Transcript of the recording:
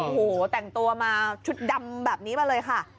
โอ้โหแต่งตัวมาชุดดำแบบนี้มาเลยค่ะ